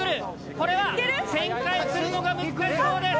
これは旋回するのが難しそうです。